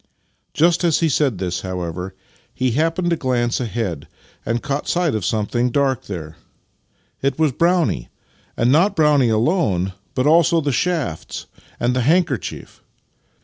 Just as he said this, however, he happened to glance ahead, and caught sight of something dark there. It was Brownie! And not Brownie alone, but also the shafts and the handkerchief!